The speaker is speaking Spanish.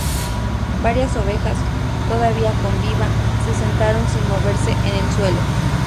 Varias ovejas, todavía con viva, se sentaron sin moverse en el suelo.